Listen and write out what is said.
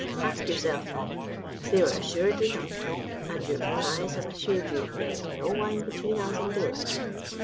Ask yourself, now. They were assuredly drunk, and your own eyes have assured you there is no wine between us and daylight.